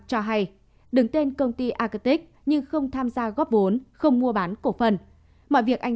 cho hay đứng tên công ty acate nhưng không tham gia góp vốn không mua bán cổ phần mọi việc anh